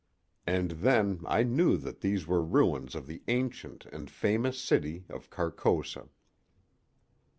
And then I knew that these were ruins of the ancient and famous city of Carcosa.